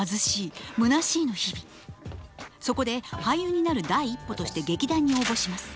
そこで俳優になる第一歩として劇団に応募します。